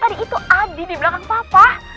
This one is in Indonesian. tadi itu ada di belakang papa